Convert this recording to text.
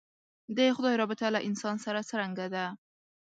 د خدای رابطه له انسان سره څرنګه ده.